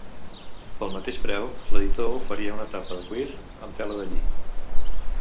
Pel mateix preu, l'editor oferia una tapa de cuir amb tela de lli.